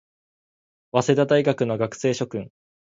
早稲田大学の学生諸君